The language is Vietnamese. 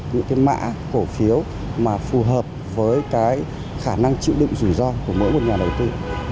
những cái mã cổ phiếu mà phù hợp với cái khả năng chịu đựng rủi ro của mỗi một nhà đầu tư